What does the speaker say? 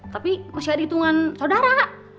tapi masih ada hitungan saudara